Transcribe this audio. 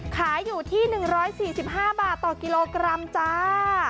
ขายอยู่ที่๑๔๕บาทต่อกิโลกรัมจ้า